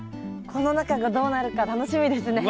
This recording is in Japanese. この中がどうなるか楽しみですね。